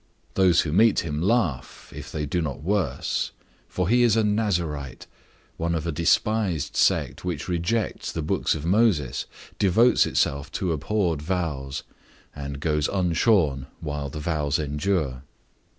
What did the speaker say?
Those who meet him laugh, if they do not worse; for he is a Nazarite, one of a despised sect which rejects the books of Moses, devotes itself to abhorred vows, and goes unshorn while the vows endure.